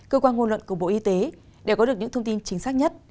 cơ quan ngôn luận của bộ y tế đều có được những thông tin chính xác nhất